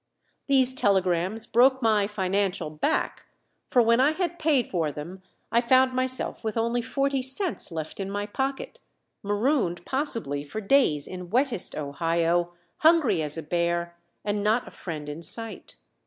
These telegrams broke my "financial back"; for when I had paid for them I found myself with only forty cents left in my pocket, marooned possibly for days in wettest Ohio, hungry as a bear, and not a friend in sight.